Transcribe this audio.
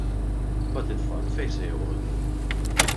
Imbagħad it-tfal fejn se joqogħdu?